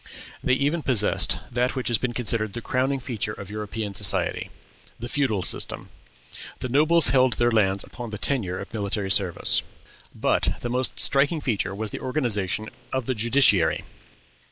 They even possessed that which has been considered the crowning feature of European society, the feudal system. The nobles held their lands upon the tenure of military service. But the most striking feature was the organization of the judiciary.